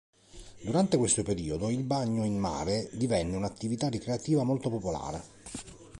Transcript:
Durante questo periodo il bagno in mare divenne un'attività ricreativa molto popolare.